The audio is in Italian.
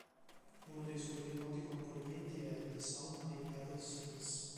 Uno dei suoi più noti componimenti è "The Song My Paddle Sings".